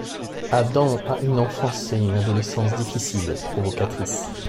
Adam a une enfance et une adolescence difficile et provocatrice.